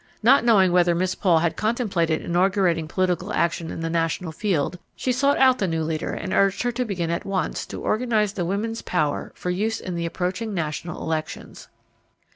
Not knowing whether Miss Paul had contemplated inaugurating political action in the national field, she sought out the new leader and urged her to begin at, once to organize the women's power for use in the approaching national elections.